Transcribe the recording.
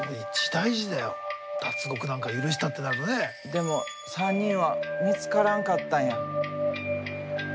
でも３人は見つからんかったんや。